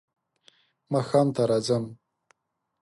ماښام ته راځم .